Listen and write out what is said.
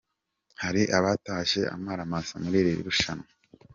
Hari abatashye amaramasa muri iri rushanwa.